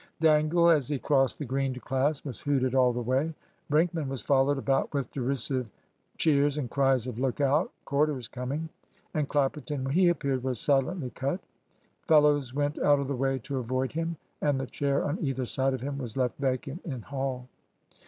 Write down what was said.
Dangle, as he crossed the Green to class, was hooted all the way. Brinkman was followed about with derisive cheers, and cries of "Look out! Corder's coming"; and Clapperton, when he appeared, was silently cut. Fellows went out of the way to avoid him; and the chair on either side of him was left vacant in Hall.